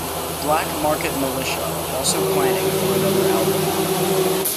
Black Market Militia are also planning for another album.